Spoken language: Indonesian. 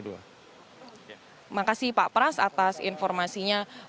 terima kasih pak pras atas informasinya